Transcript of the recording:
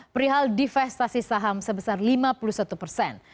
perihal divestasi saham sebesar lima puluh satu persen